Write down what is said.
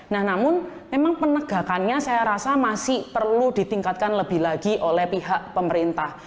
nah namun memang penegakannya saya rasa masih perlu ditingkatkan lebih lagi oleh pihak pemerintah